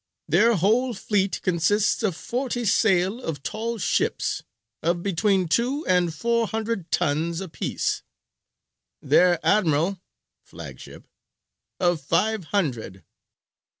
Their whole fleet consists of forty sail of tall ships, of between two and four hundred tons a piece; their admiral [flagship] of five hundred.